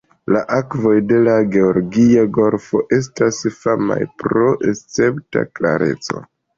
La akvoj de la Georgia Golfo estas famaj pro escepta klareco.